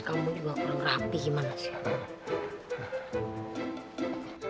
kamu juga kurang rapi gimana siapa